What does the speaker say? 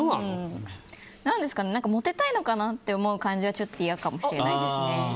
モテたいのかなって思う感じはちょっと嫌かもしれないですね。